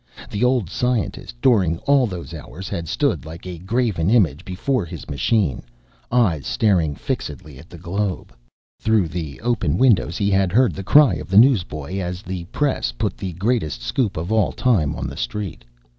The old scientist, during all those hours, had stood like a graven image before his machine, eyes staring fixedly at the globe. Through the open windows he had heard the cry of the newsboy as the Press put the greatest scoop of all time on the street.